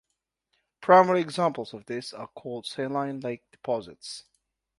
Primary examples of this are called "saline lake deposits".